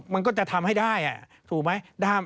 มันก็จะทำให้ได้ถูกไหม